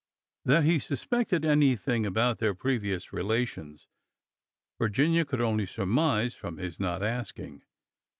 That he suspected any thing about their previous relations Virginia could only surmise from his not asking.